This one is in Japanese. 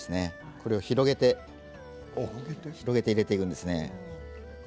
これを広げて入れていくんですね。